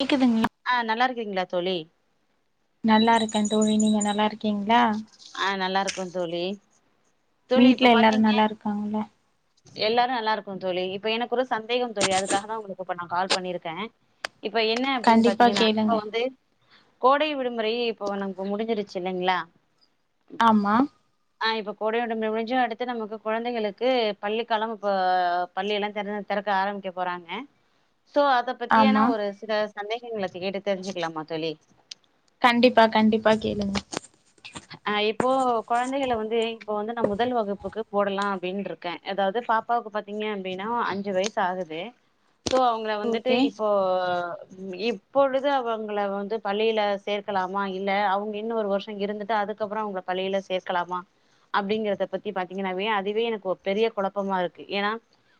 கேக்குதுங்களா ஆ நல்லாருக்கீங்களா தோழி நல்லாருக்கே தோழி நீங்க நல்லாருக்கீங்களா ஆ நல்லாருக்கோ தோழி தோழி வீட்ல இப்ப எல்லாரு பாத்தீங்க நல்லா இருக்காங்களா எல்லாரு நல்லாருக்கோ தோழி இப்ப எனக்கு ஒரு சந்தேகோ தோழி அதுக்காக தா உங்களுக்கு இப்ப நா கால் பண்ணியிருக்கே இப்ப என்ன அப்டின்னு கண்டிப்பா பாத்தீங்கன்னா கேளுங்க இப்ப வந்து கோடை விடுமுறை இப்போ அவுனுக்க இப்போ முடிஞ்சிருச்சு இல்லைங்ளா ஆமா ஆ இப்போ கோடை விடுமுறை முடிஞ்சு அடுத்து நமக்கு கொழந்தைகளுக்கு பள்ளிக்காலம் இப்போ பள்ளியெல்லா தெறந் தெறக்க ஆரம்பிக்க போறாங்க சோ அதப் பத்தியானா ஆமா ஒரு சில சந்தேகங்கள கேட்டு தெரிஞ்சுக்கலாமா தோழி கண்டிப்பா கண்டிப்பா கேளுங்க அ இப்போ கொழந்தைகள வந்து இப்போ வந்து நா முதல் வகுப்புக்கு போடலா அப்டின்ட்றுக்கு க்க அதாவது பாப்பாவுக்கு பாத்தீங்க அப்டின்னா அஞ்சு வயசு ஆகுது சோ அவங்கள வந்துட்டு ஓகே இப்போ இப்பொழுது அவங்கள வந்து பள்ளியில சேர்க்கலாமா இல்ல அவங்க இன்னொரு வருஷ் அ இருந்துட்டு அதுக்கப்புறோ அவுங்கள பள்ளியில சேக்கலாமா அப்படிங்கறத பத்தி பாத்தீங்கன்னாவே அதுவே எனக்கு ஒரு பெரிய கொழப்பமாருக்கு ஏன்னா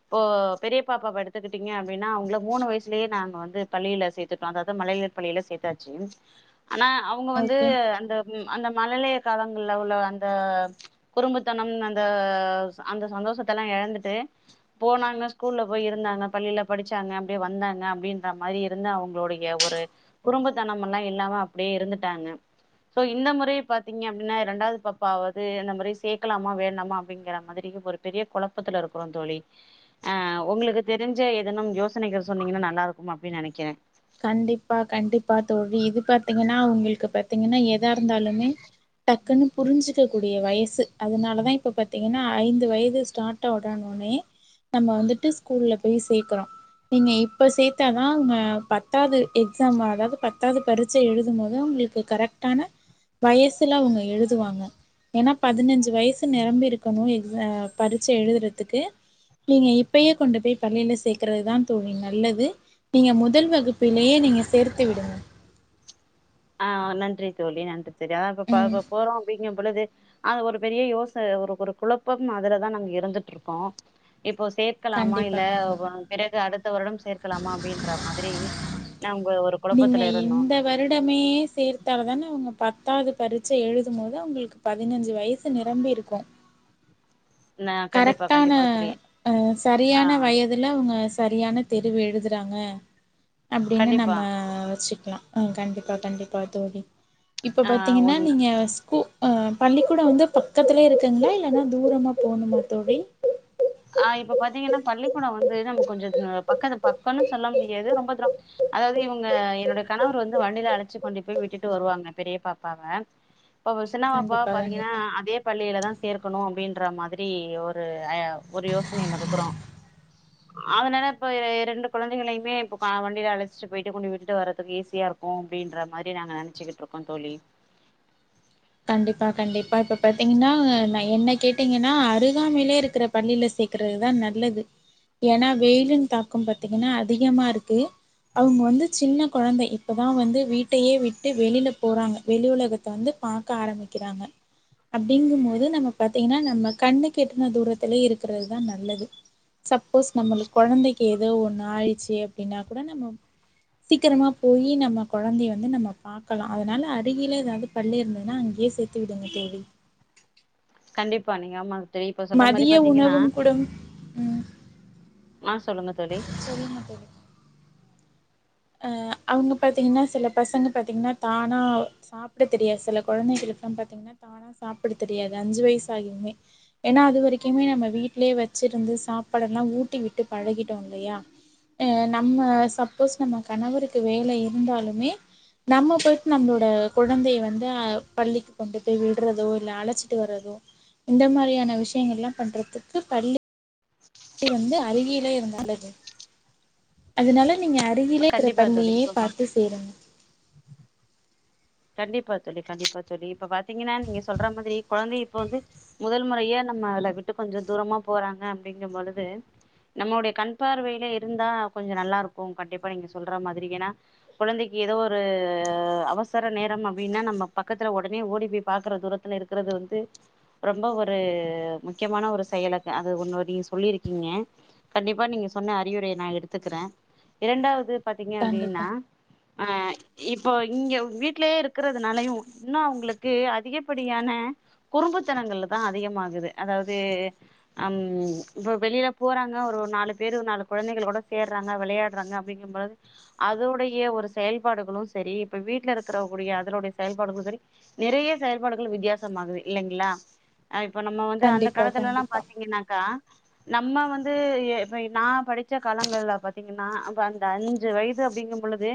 இப்போ பெரிய பாப்பவ எடுத்துக்கிட்டீங்க அப்டின்னா அவுங்கள மூணு வயசுலயே நாங்க வந்து பள்ளியில சேத்துட்டோ அதாவது மழயிலர் பள்ளியில சேத்தாச்சு ஆனா அவங்க வந்து ஓகே அந்த ம் அந்த மழலைய காலங்கள்ல உள்ள அந்த குறும்புத்தனம் அந்த சோ அந்த சந்தோஷத்தல்லா எழந்துட்டு போனாங்க ஸ்கூல்ல போய் இருந்தாங்க பள்ளியில படிச்சாங்க அப்டியே வந்தாங்க அப்டின்ற மாரி இருந்த அவுங்களோடைய ம் ஒரு குறும்புத்தனமல்லா இல்லாம அப்டியே இருந்துட்டாங்க சோ இந்த முறை பாத்தீங்க அப்டின்னா ரெண்டாவது பாப்பாவது இந்த மாரி சேக்கலாமா வேண்டாமா அப்படிங்கிற மாதிரியு ஒரு பெரிய கொழப்பத்துலருக்குறோ தோழி ஆ உங்களுக்கு தெரிஞ்ச எதனும் யோசனைகள் சொன்னீங்கன்னா நல்லாருக்கும் அப்பிடின்னு நெனைக்கிறே கண்டிப்பா கண்டிப்பா தோழி இது பாத்தீங்கன்னா உங்களுக்கு பத் தீங்கன்னா எதா இருந்தாலுமே டக்குன்னு புரிஞ்சுக்கக்கூடிய வயசு அதனால தா இப்போ பாத்தீங்கன்னா ஐந்து வயது ஸ்டார்ட்டுவோட ஒன்னயே நம்ம வந்துட்டு ஸ்கூல்ல போய் சேக்குறோ நீங்க இப்ப சேத்தாதாங்க பத் பத்தாது எக்ஸாம் அதாவது பத்தாவது பரிட்சை எழுதும் போது உங்களுக்கு கரெக்டான வயசுல அவுங்க எழுதுவாங்க ஏன்னா பதினெஞ்சு வயசு நெரம்பிருக்கணு எக்ஸ அ பரீட்சை எழுதுறதுக்கு நீங்க இப்பயே கொண்டுப்போய் பள்ளியில சேக்கறது தா தோழி நல்லது நீங்க முதல் வகுப் பின்னே ஏ நீங்க சேர்த்து விடுங்க ஆ நன்றி தோழி நன்றி தோழி அதா இப்ப ப ம் ப போறோ அப்டின் னு பொழுது அது ஒரு பெரிய யோசன ஒரு ஒரு குழப்பம் அதுலதா நாங்க இருந்துட்டுருக்கோ இப்போ சேர்க்கலாமா கண்டிப்பா இல்ல கண்டிப்பா வா பிறகு அடுத்த வருடம் சேர்க்கலாமா அப்டின்றா மாதிரி நாங்க ஒரு நீங்க குழப்பத்துல இருந்தோ இந்த வ ருடமே சேர்த்தால் தான அவங்க பத்தாவது பரிட்ச எழுதும் போது அவங்களுக்கு பதினஞ்சு வயசு நிரம்பி இருக்கு நா கண்டிப்பா கரெக்டான கண்டிப்பா தோழி ஆ அதுல அவங்க சரியான தெரிவு எழுதுறாங்க அப்டின்னு கண்டிப்பா நம்ம வச்சிக்கலா ஆ கண்டிப்பா கண்டிப்பா தோழி இப்ப ஆ பாத்தீங்கன்னா ஒன்னு நீங்க ஸ்கூ ஆ பள்ளிக்கூட வந்து பக்கத்துலயே இருக்குங்களா இல்லனா தூரமா போணுமா தோழி ஆ இப்ப பாத்தீங்கன்னா பள்ளிக்கூட வந்து நமக்கு கொஞ்சோ பக்கத்துல பக் பக்கம்னு சொல்ல முடியாது ரொம்ப தூர அதாவது இவங்க என்னுடைய கணவர் வந்து வண்டியில அழச்சு கொண்டு போய் விட்டுட்டு வருவாங்க பெரிய பாப்பாவ இப்போ சின்ன பாப்பாவ கண்டிப்பா பாத்தீங்கன்னா கண்டிப்பா அதே பள்ளியில தா சேர்க்கணு அப்டின்ற மாதிரி ஒரு ஐ ஒரு யோசனைல இருக்குறோ அதனால இப்ப ரெ ரெண்டு கொழந்தைகளையுமே இப்ப க வண்டியில அழைச்சிட்டுப் போயிட்டு கொண்டு விட்டு வர்றதுக்கு ஈஸியாருக்கு கு அப்டின்ற மாரி நாங்க நனைச்சுக்கிட்டுருக்கோ தோழி கண்டிப்பா கண்டிப்பா இப்ப பாத்தீங்கன்னா நா என்ன கேட் டீங்கன்னா அருகாமையிலே இருக்குற பள்ளில சேக்கறதுதா நல்லது ஏன்னா வெயிலின் தாக்கம் பாத்தீங்கன்னா அதிகமாருக்கு அவங்க வந்து சின்ன கொழந்தை இப்போ தா வந்து வீட்டையே விட்டு வெளில போறாங்க வெளி உலகத்த வந்து பாக்க ஆரம்பிக்கிறாங்க அப்டிங்கும் போது நம்ம பாத்தீங்கன்னா நம்ம கண்ணுக்கு எட்டுன தூரத்துலயே இருக்கிறதுதா நல்லது சப்போஸ் நம்மளுக்கு கொழந்தைக்கு ஏதோ ஒண்ணு ஆயிடுச்சு அப்டின்னா கூட நம்ம சீக்கிரமா போயி நம்ம கொழந்தைய வந்து நம்ம பாக்கலா அதனால அருகிலே எதாது பள்ளி இருந் தா அங்கயே சேத்து விடுங்க தோழி கண்டிப்பா நீங்க ஆமா தோழி இப்ப சொல்ற மாதிரி மதிய பாத்தீங்கன்னா உணவும் குடும் ம் ஆ சொல்லுங்க தோழி சொல்லுங்க தோழி ஆ அவங்க பாத்தீங்கன்னா சில பசங்க பாத்தீங்கன்னா தானா சாப்ட தெரியாது சில கொழந்தைகளுக்கெல்லா பாத்தீங்கன்னா தானா சாப்ட தெரியாது அஞ்சு வயசு ஆகியுமே ஏன்னா அது வரைக்குமே நம்ம வீட்லயே வச்சிருந்து சாப்பாடெல்லா ஊட்டிவிட்டு பழகிட்டோ இல்லையா ஆ நம்ம சப்போஸ் நம்ம கணவருக்கு வேலை இருந்தாலுமே நம்ம போயிட்டு நம்மளோட குழந்தைய வந்து ஆ பள்ளிக்கு கொண்டு போய் விட்றதோ இல்ல அழைச்சிட்டு வர்றதோ இந்த மாரியான விஷயங்கள்லா பண்றதுக்கு பள்ளி வந்து அருகில இருந்தாலே போது அதனால நீங்க அருகிலேயே இருக்கற கண்டிப்பா தோழி பள்ளியே இப்ப பார்த்து சேருங்க கண்டிப்பா தோழி கண்டிப்பா தோழி இப்ப பாத்தீங்கன்னா நீங்க சொல்ற மாதிரி கொழந்தைய இப்ப வந்து முதல் முறையே நம்மள விட்டு கொஞ்ச தூரமா போறாங்க அப்டிங்கும்பொழுது நம்மளுடைய கண்பார்வையிலயே இருந்தா கொஞ்ச நல்லாருக்கு கண்டிப்பா நீங்க சொல்ற மாதிரி ஏன்னா குழந்தைக்கு ஏதோ ஒரு அவ சர நேர அப்டின்னா நம்ப பக்கத்துல ஒடனே ஓடிப்போய் பாக்குற தூரத்துல இருக்கிறது வந்து ரொம்ப ஒரு முக்கியமான ஒரு செயலங்க அது ஒன்னு நீங்க சொல்லிருக்கீங்க கண்டிப்பா நீங்க சொன்ன அறிவுரைைய நா எடுத்துக்கிற இரண்டாவது பாத்தீங்க கண்டிப்பா அப்டின்னா ஆ இப்போ இங்க வீட்லயே இருக்கிறதுனாலயு இன்னு அவங்களுக்கு அதிகப்படியான குறும்புத்தனங்கள்லதா அதிகமாகுது அதாவது அம் இப்ப வெளில போறாங்க ஒரு நாலு பேரு நாலு கொழந்தைகள் கூட சேர்றாங்க வெளையாடுறாங்க அப்டிங்கும் போது அதோடைய ஒரு செயல்பாடுகளு சரி இப்ப வீட்ல் இருக் க்றக்கூடிய அதனுடைய செயல்பாடுகளு சரி நெறைய செயல்பாடுகள் வித்தியாசமாகுது இல்லங்ளா அ இப்போ நம்ம வந்து அந்த கண்டிப்பா காலத்துலலா கண்டிப்பா பாத்தீங்கனாக்கா நம்ம வந்து எ இப்ப நா படிச்ச காலங்கள்ல பாத்தீங்கன்னா அஞ்சு வயசு அப்டிங்கும்பொழுது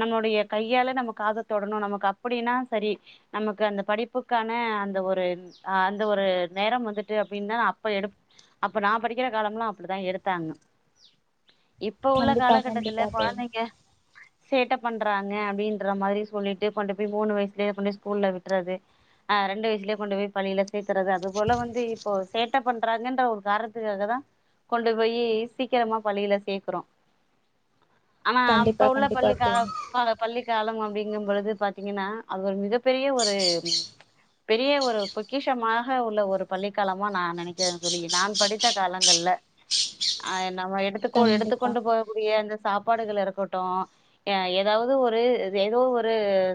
நம்ளுடைய கையால நம்ம காத தொடணு நமக்கு அப்புடின்னா சரி நமக்கு அந்த படிப்புக்கான அந்த ஒரு அ அந்த ஒரு நேரம் வந்துட்டு அப்டின்னா அப்ப எடு அப்ப நா படிக்கிற காலம்லா அப்புடிதா எடுத்தாங்க இப்ப உள்ள கண்டிப்பா காலகட்டத்துல கண்டிப்பா தோழி கொழந்தைங்க சேட்ட பண்றாங்க அப்டின்ற மாரி சொல் சொல்லிட்டு கொண்டு போய் மூணு வயசுலயே கொண்டு போய் ஸ்கூல்ல விட்றது ஆ ரெண்டு வயசுலயே கொண்டு போய் பிள்ளில சேக்குறது அது போல வந்து இப்போ சேட்டை பண்றாங்கன்ற ஒரு காரணத்துக்காகதா கொண்டு போய் சீக்கிரமா பள்ளில சேக்குறோ ஆனா கண்டிப்பா அப்ப உள்ள கண்டிப்பா தோழி பள்ளிக்கால பள்ளிக்காலம் அப்டி ங்கும்பொழுது பாத்தீங்கன்னா அது ஒரு மிகப்பெரிய ஒரு பெரிய ஒரு பொக்கிஷமாக உள்ள ஒரு பள்ளிக்காலமா நா நெனைக்கிறேன் சொல்லி நான் படி த்த காலங்கள்ல அ நம்ம எடுத்துக்கோ கண்டிப்பா எடுத்துக்கொண்டு போ கூடிய அந்த சாப்பாடுகள் இருக்கட்டு ஏதாவது ஒரு ஏதோ ஒரு ரு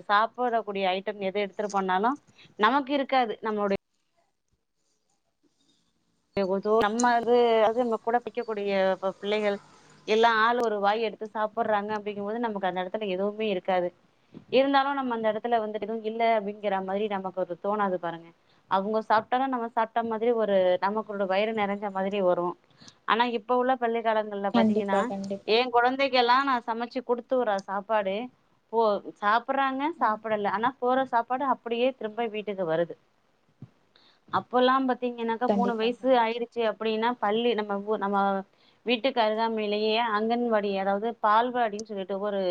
சாப்பிடக்கூடிய ஐட்ட எது எடுத்று போனாலு நமக்கு இருக்காது நம்மளுடைய நம்ம அது அது நம்ம கூட படிக்கக்கூடிய பிள்ளைகள் எல்லா ஆள் ஒரு வாய் எடுத்து சாப்புட்றாங்க அப்டிங்கும்போது நமக்கு அந்த எடத்துல எதுமே இருக்காது இருந்தாலு நம்ம அந்த எடத்துல வந்துட்டு எது இல்ல அப்டிங்கிற மாரி நமக்கு வந்து தோணாது பாருங்க அவங்க சாப்பிட்டாலு நம்ம சாப்ட்ட மாதிரி ஒரு நமக்குள்ள வயிறு நெறைஞ்ச மாதிரி வரு ஆனா இப்ப உள்ள பள்ளிக்காலங்கள்ல பாத்தீங்கன்னா கண்டிப்பா கண்டிப்பா ஏ கொழந்தக்கல்லா நா சமைச்சு குடுத்துற சாப்பாடு போ சாப் றாங்க ம் சாப்பிடல ஆனா போற சாப்பாடு அப் அப்புடியே திரும்ப வீட்டுக்கு வருது அப்போல்லா பாத்தீங்கன்னா மூணு கண்டிப்பா வயசு கண்டிப்பா ஆயிடுச்சு அப்டின்னா பள்ளி நம்ம ஊ நம்ம வீட்டுக்கு அருகாமையிலேயே அங்கன்வாடி அதாவது பால்வாடின்னு சொல்லிட்டு ஒரு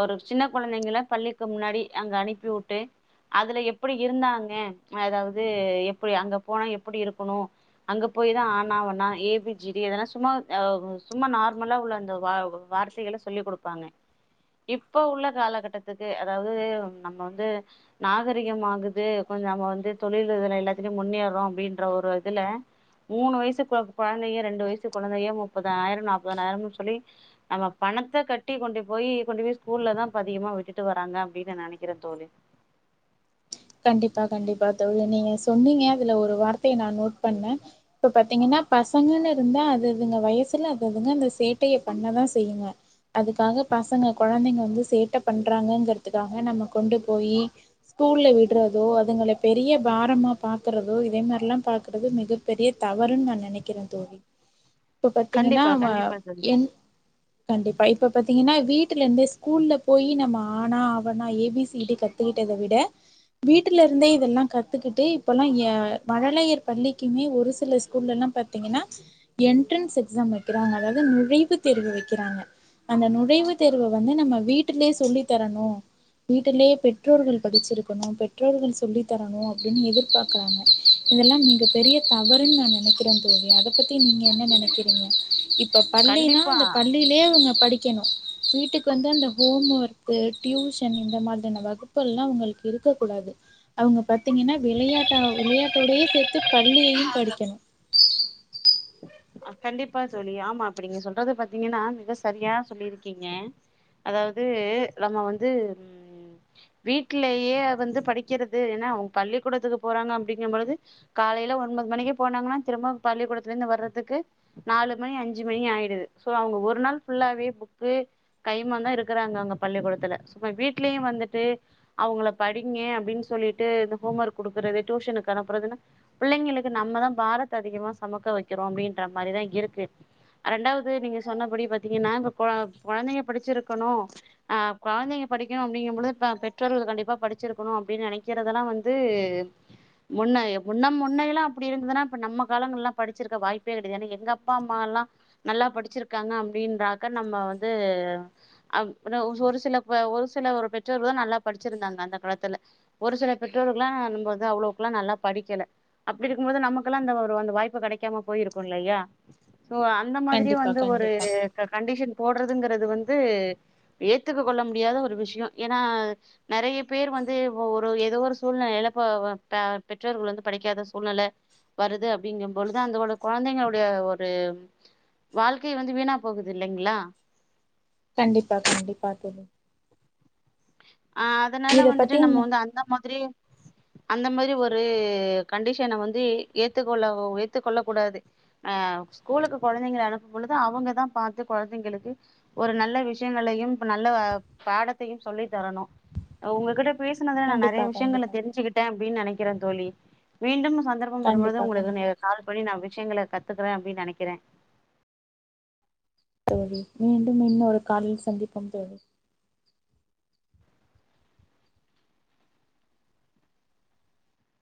ஒரு சின்ன கொழந்தைங்கள பள்ளிக்கு முன்னாடி அங்க அனுப்பிவுட்டு அதுல எப்படி இருந்தாங்க அதாவது எப்டி அங்க போனா எப்படி இருக்கணு அங்க போய்தா ஆனாவாண்ணா ஏ பி ஜி டி அதெல்லா சும்மா அ சும்மா நார்மலா உள்ள அந்த வ வார்த் தைகள சொல்லி் குடுப்பாங்க இப்போ உள்ள காலகட்டத்துக்கு அதாவது நம்ம வந்து நாகரிகம்மாகுது கொஞ்ச நம்ம வந்து தொழிலிதுல எல்லாத்துலயும் முன்னேறோ அப்டின் ற ஒரு இதுல மூணு வயசு கொழந்தைய ரெண்டு வயசு கொழந்தைய முப்பதாயிர நாப்பதுனாயிரம்னு சொல்லி நம்ம பணத்த கட்டி கொண்டு போய் கொண்டு போய் ஸ்கூல்லதா இப்ப அதிகமா விட்டுட்டு வராங்க அப்டின்னு நெனைக்கிறே தோழி கண்டிப்பா கண்டிப்பா தோழி நீங்க சொன்னீங்க அதுல ஒரு வார்த்தைய நா நோட் பண்ணே இப்போ பாத்தீங்கன்னா பசங்கனு இருந்தா அதுதுங்க வயசுல அது இதுங்க அந்த சேட்டைய பண்ணதா செய்யுங்க அதுக்காக பசங்க கொழந்தைங்க வந்து சேட்டை பண்றாங்கங்கறுத்துக்காக நம்ம கொண்டு போயி தூள்ள விட் ட்றதோ அதுங்களை பெரிய பாரமா பாக்கறதோ இதே மாதிரிலா பாக்கறது மிகப்பெரிய தவறு நா நினைக்கிறே க்கிறே தோழி [inaudible] இப்ப பாத்தீங்கன்னா கண்டிப்பா ந கண்டிப்பா தோழி என் கண்டிப்பா இப்ப பாத்தீங்கன்னா வீட்டுல இருந்து ஸ்கூல்ல போய் நம்ம ஆனா அவனா ஏபிசிடி க தேட்டத விட வீட்டில இருந்தே இதெல்லா கத்துக்கிட்டு இப்பல்லா அ மழலையர் பள்ளிக்குமே ஒரு சில ஸ்கூல்ல எல்லாம் பத் பாதிங்கன்னா என்ட்ரன்ஸ் எக்ஸாம் வைக்கிறாங்க அதாவது நுழைவு தேர்வு வைக்கிறாங்க அந்த நுழைவுத் தேர்வ வந்து நம்ம வீட்டுலயே சொல்லி தரணு வீட்டிலயே பெற்றோர்கள் படிச்சிருக்கணு பெற்றோர்கள் சொல்லி தரணு அப்டினு எதிர்பாக்கறாங்க இதெல்லா மிக பெரிய தவறுனு நா நினைக்கிறே தோழி அத அத பத்தி நீங்க என்ன நெனைக்கிறீங்க இப்ப பள்ளினா கண்டிப்பா இந்த பள்ளி ளையே அவுங்க படிக்கணு வீட்டுக்கு வந்து அந்த ஹோம் ஒர்க்கு டியூஷனு இந்த மாரியான வகுப் பல்லா உங்களுக்கு இருக்க கூடாது அவுங்க பாத்தீங்னா விளையாட்டா விளையாட்டோடையே சேத்து பள்ளியையு படிக்கணு [inaudible] கண்டிப்பா தோழி ஆமா ஆமா அப்ப நீங்க சொல்றத பாத்தீங்கன்னா மிக சரியா சொல்லிருக்கீங்க அதாவது நம்ம வந்து வீட்லயே அத வந்து படிக்கிறது ஏன்னா அவொங் பள்ளிக்கூடத்துக்கு போறாங்க அப்டிங்குபோது காலைல ஒன்பது மணிக்கு போனாங்கன்னா திரும்ப பள்ளிக்கூடத்துல இருந்து வர்றதுக்கு நாலு மணி அஞ்சு மணி ஆயிடுது சோ அவுங்க ஒரு நாள் ஃபுல்லாவே புக்கு கைமா தா இருக்குறாங்க அவுங்க பள்ளிக்கூடத்துல சும்மா வீட்லயு வந்துட்டு அவுங்கள படிங்க அப்டினு சொல்லிட்டு இந்த ஹோம் ஒர்க் குடுக்குறது டியூஷனுக்கு அப்புறதுனா புள்ளைங்களுக்கு நம்மதா பாரத்த அதிகமா சொமக்க வைக்கிறோ அப்படின்ற மாரிதா இருக்கு ரெண்டாவது நீங்க சொன்னபடி பாத்தீங்கன்னா கொ கொழந்தைங்க படிச்சிருக்கணு ஆ கொழந்தைங்க படிக்கணு அப்டிங்கு போது பெற்றோர்கள் கண்டிப்பா படிச்சிருக்கணு அப்டினு நெனைக்கிறதெல்லா வந்து முன்ன முன்னம் முன்னைல்லா அப்டி இருந்ததுன்னா இப்ப நம்ம காலங்கல்லா படிச்சிருக்க வாய்ப்பே கெடையாது ஏனா எங்க அப்பா அம்மால்லா படி நல்லா படிச்சிருக்காங்க அப்டின்றாக்க நம்ப வந்து அப்ற ஒரு சில ஒரு சில ஒரு பெற்றோர்களு தா நல்லா படிச்சிருந்தாங்க அந்த காலத்துல ஒரு சில பெற்றோருர்கல்லா நம்ப வந்து அவ்ளோக்குல்லா நல்லா படிக்கல அப்டி இருக்குபோது நமக்குல்லா அந்த ஒரு வந்து வாய் ப்பு கெடைக்காம போயிருக்குல்லையா சோ அந்த மாதிரியே கண்டிப்பா வந்து ஒரு கண்டிப்பா கண்டிஷன் போடுறதுங்கறது வந்து ஏத்துக்க கொள்ள முடியாத ஒரு விஷயோ ஏன்னா நெறைய பேர் வந்து ஒரு ஏதோ ஒரு சூழ்நிலையில ப பெற்றோர்கள் வந்து படிக்காத சூழ்நெல வருது அப்டிங்க பொழுது அந்த ஒரு கொழந்தைங்களோடை ஒரு வாழ்க்கை வந்து வீணா போகுது இல்லைங்ளா கண்டிப்பா கண்டிப்பா தெரியு ஆ அதுனால இத வந்துட்டு பத்தி நம்ப என்ன வந்து அந்த மாத்ரியே அந்த மாரி ஒரு கண்டிஷன வந்து ஏத்துக்கொள்ள ஏத்துக் கொள்ள கூடாது ஆ ஸ்கூலுக்கு கொழந்தைங்கள அனுப்பு பொழுது அவுங்கதா பாத்து கொழந்தைங்களுக்கு ஒரு நல்ல விஷயங்களையு நல்ல பாடத்தையு சொல்லி தரணு உங்ககிட்ட பேசுனதுல நா கண்டிப்பா நெறைய விஷயங்கள கண்டிப்பா தோழி தெரிஞ்சிக்கிட் டே அப்டினு நெனைக்கிறே தோழி மீண்டு சந்தர்பம் வரு பொழுது கண்டிப்பா கண்டிப்பா உங்களுடைய கால அப்டி நா விஷயங்கள கத்துக்றே அப்னு நெனைக்கிறே தோழி மீண்டும் இன்னு ஒரு காலில் சந்திப்போம் தோழி